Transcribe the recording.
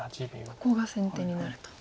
ここが先手になると。